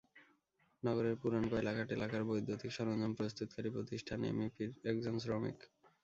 নগরের পুরান কয়লাঘাট এলাকার বৈদ্যুতিক সরঞ্জাম প্রস্তুতকারী প্রতিষ্ঠান এমইপির একজন শ্রমিক।